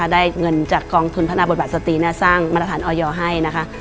ได้เงินจากกองทุนพัฒนาบทบาทสตรีสร้างมาตรฐานออยอร์ให้นะคะ